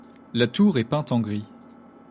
La tour est peinte en gris.